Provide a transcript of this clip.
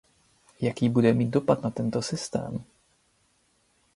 Jaký bude mít dopad na tento systém?